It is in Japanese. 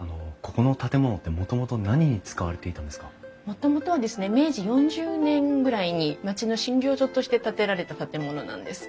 もともとは明治４０年ぐらいに町の診療所として建てられた建物なんです。